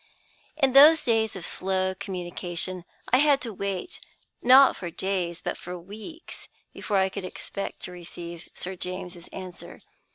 In those days of slow communication, I had to wait, not for days, but for weeks, before I could expect to receive Sir James's answer.